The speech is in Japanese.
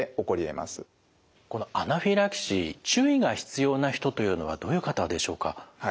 このアナフィラキシー注意が必要な人というのはどういう方でしょうか？